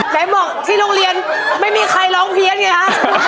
ไหนบอกที่โรงเรียนไม่มีใครร้องเพี้ยนไงฮะ